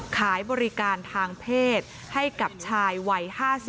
ขายบริการทางเพศให้กับชายวัย๕๓